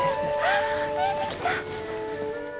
あ見えてきた！